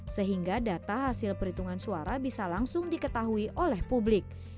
sehingga data hasil perhitungan suara bisa langsung diketahui oleh publik